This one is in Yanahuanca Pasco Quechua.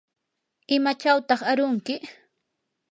¿imachawtaq arunki?